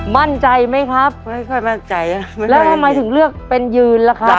มั่นใจไหมครับไม่ค่อยมั่นใจแล้วทำไมถึงเลือกเป็นยืนล่ะครับ